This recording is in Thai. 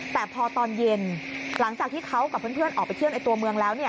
แต่พอตอนเย็นหลังจากที่เขากับเพื่อนออกไปเที่ยวในตัวเมืองแล้ว